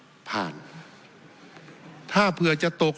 ผมจะพยายามทุกอย่าง